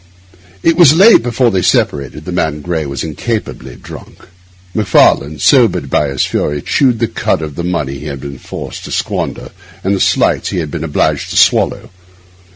It was late before they separated; the man Gray was incapably drunk. Macfarlane, sobered by his fury, chewed the cud of the money he had been forced to squander and the slights he had been obliged to swallow.